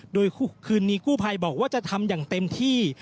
โดยคืนนี้กู้ภัยบอกว่าจะทำอย่างเต็มที่